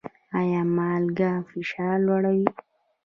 ایا مالګه فشار لوړوي؟